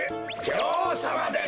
じょおうさまです！